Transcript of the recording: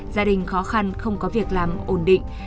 gia đình khó khăn không có việc làm ổn định